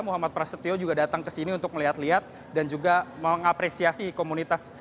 muhammad prasetyo juga datang ke sini untuk melihat lihat dan juga mengapresiasi komunitas